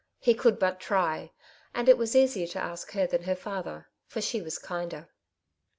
He conld but try ; and it was easier to ask her than her &ther, for she was kinder.